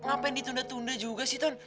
apa yang ditunda tunda juga sih ton